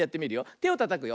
てをたたくよ。